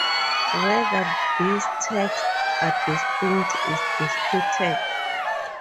Whether these texts are distinct is disputed.